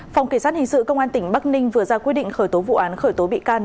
phòng kỳ sát hình sự công an tỉnh bắc ninh vừa ra quyết định khởi tố vụ án khởi tố bị can